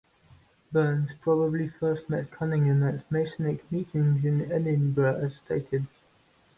Burns probably first met Cunningham at Masonic meetings in Edinburgh as stated.